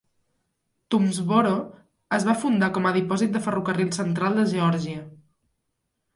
Toomsboro es va fundar com a dipòsit de ferrocarril central de Geòrgia.